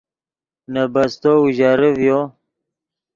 نے بستو اوژرے ڤیو